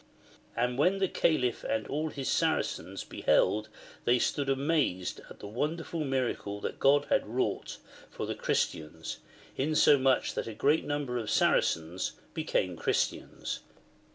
And when the CaHf and all his Saracens beheld, they stood amazed at the wonderful miraclfe that God had wrought for the Christians, insomuch that a great number of the Saracens became Christians.